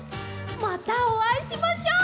またおあいしましょう！